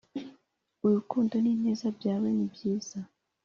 Urukundo n ineza byawe nibyiza